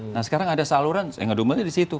nah sekarang ada saluran saya ngedumelnya disitu